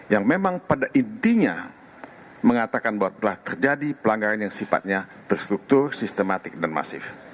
yang memang pada intinya mengatakan bahwa telah terjadi pelanggaran yang sifatnya terstruktur sistematik dan masif